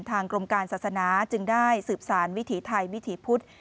กรมการศาสนาจึงได้สืบสารวิถีไทยวิถีพุทธ